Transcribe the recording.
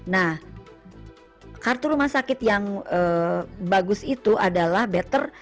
nah kartu rumah sakit yang bagus itu adalah better